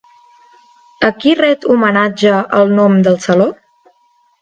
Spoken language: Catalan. A qui ret homenatge el nom del saló?